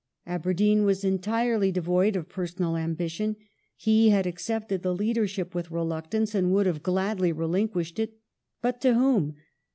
Aberdeen was entirely devoid of personal ambition ; he had accepted the leadership with reluctance, and would have gladly relinquished it. But to whom